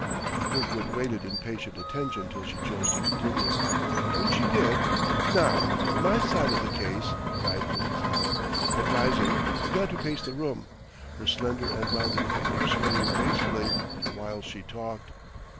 Kirkwood waited in patient attention till she chose to continue. When she did "Now for my side of the case!" cried Mrs. Hallam; and rising, began to pace the room, her slender and rounded figure swaying gracefully, the while she talked.